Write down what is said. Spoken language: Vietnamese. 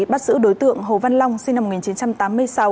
bắt giữ đối tượng hồ văn long sinh năm một nghìn chín trăm tám mươi sáu